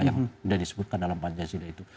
yang sudah disebutkan dalam pancasila itu